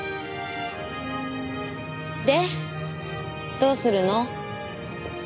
でどうするの？